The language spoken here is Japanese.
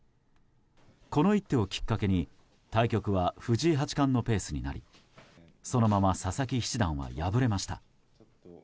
この一手をきっかけに対局は藤井八冠のペースになりそのまま佐々木七段は敗れました。